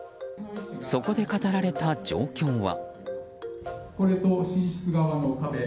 そこで語られた状況は。